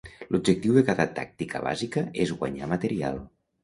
L"objectiu de cada tàctica bàsica es guanyar material.